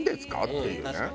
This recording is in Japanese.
っていうね。